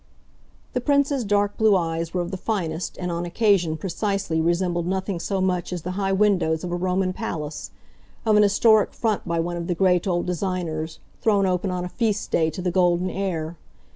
The Prince's dark blue eyes were of the finest, and, on occasion, precisely, resembled nothing so much as the high windows of a Roman palace, of an historic front by one of the great old designers, thrown open on a feast day to the golden air.